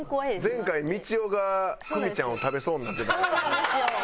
前回みちおが久美ちゃんを食べそうになってたからね。